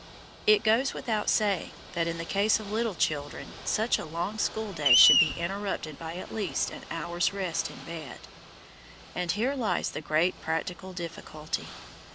It goes without saying, that in the case of little children such a long school day should be interrupted by at least an hour's rest in bed. And here lies the great practical difficulty.